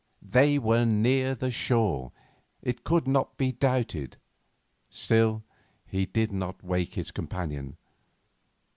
They were near shore, it could not be doubted; still, he did not wake his companion.